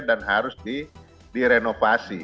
dan harus direnovasi